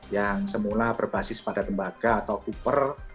yang semula berbasis pada lembaga atau cooper